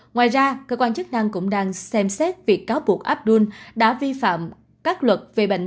ngoài ra cơ quan chức năng cũng đang xem xét việc cáo buộc abdul đã vi phạm các luật về bệnh